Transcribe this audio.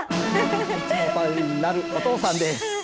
いつも頼りになるお父さんです。